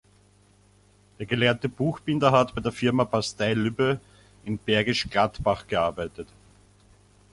Der gelernte Buchbinder hat bei der Firma Bastei Lübbe in Bergisch Gladbach gearbeitet.